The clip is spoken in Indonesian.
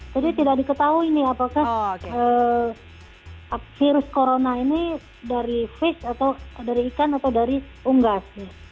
jadi tidak diketahui nih apakah virus corona ini dari fish atau dari ikan atau dari unggas